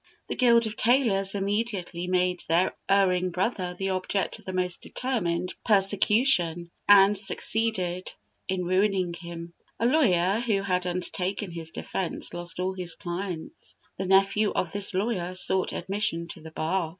The Guild of Tailors immediately made their erring brother the object of the most determined persecution, and succeeded in ruining him. A lawyer who had undertaken his defence lost all his clients. The nephew of this lawyer sought admission to the bar.